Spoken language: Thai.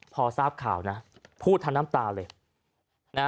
พอทราบข่าวนะพูดทั้งน้ำตาเลย